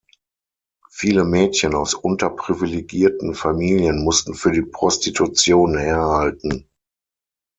Viele Mädchen aus unterprivilegierten Familien mussten für die Prostitution herhalten.